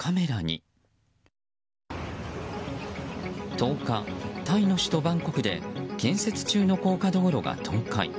１０日、タイの首都バンコクで建設中の高架道路が倒壊。